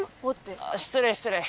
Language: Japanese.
あ失礼失礼。